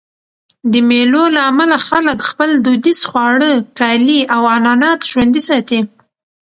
د مېلو له امله خلک خپل دودیز خواړه، کالي او عنعنات ژوندي ساتي.